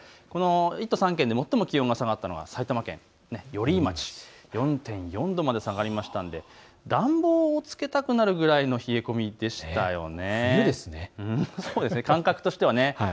１都３県で最も気温が下がったのは埼玉県寄居町、４．４度まで下がったので暖房をつけたくなるくらいの冷え込みでしたよね。